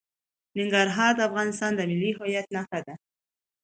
ننګرهار د افغانستان د ملي هویت نښه ده.